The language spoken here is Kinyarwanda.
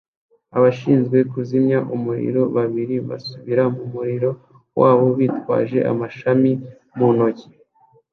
Abashinzwe kuzimya umuriro babiri basubira mu muriro wabo bitwaje amashami mu ntoki